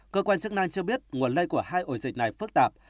cơ quan chức năng cho biết nguồn lây của hai ổ dịch này phức tạp